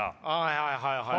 はいはいはい。